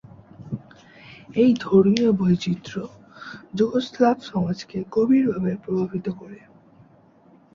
এই ধর্মীয় বৈচিত্র্য যুগোস্লাভ সমাজকে গভীরভাবে প্রভাবিত করে।